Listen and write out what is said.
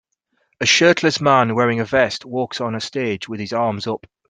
A shirtless man wearing a vest walks on a stage with his arms up.